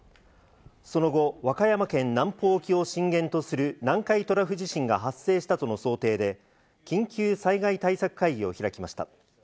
その後、和歌山県南方沖を震源とする南海トラフ地震が発生したとの想定で、緊急災害対策会議を開きました。